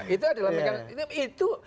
itu adalah mekanisme itu